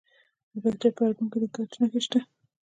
د پکتیکا په ارګون کې د ګچ نښې شته.